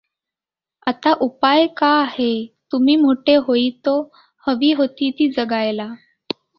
आता उपाय का आहे? तुम्ही मोठे होईतो हवी होती ती जगायला.